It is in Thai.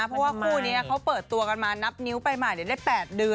เพราะว่าคู่นี้เขาเปิดตัวกันมานับนิ้วไปใหม่ได้๘เดือน